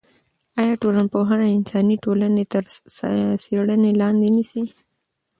آیا ټولنپوهنه انساني ټولنې تر څېړنې لاندې نیسي؟